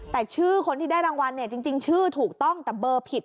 แต่ชื่อคนที่ได้รางวัลเนี่ยจริงชื่อถูกต้องแต่เบอร์ผิด